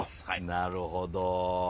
なるほど。